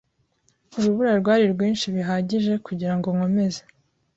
Urubura rwari rwinshi bihagije kugirango nkomeze.